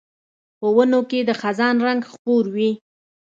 په ونو کې د خزان رنګ خپور وي